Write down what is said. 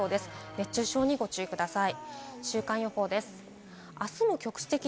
熱中症にご注意ください。